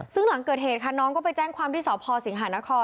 ซึ่งหลังเกิดเหตุค่ะน้องก็ไปแจ้งความที่สพสิงหานคร